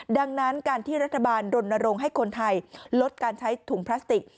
ดังนั้นการที่รัฐบาลรณรงค์ให้คนไทยลดการใช้ถุงพลาสติก